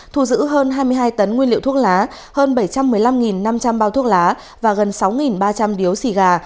thu giữ hơn hai mươi hai tấn nguyên liệu thuốc lá hơn bảy trăm một mươi năm năm trăm linh bao thuốc lá và gần sáu ba trăm linh điếu xì gà